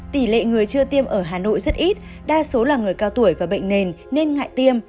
tỷ lệ người chưa tiêm ở hà nội rất ít đa số là người cao tuổi và bệnh nền nên ngại tiêm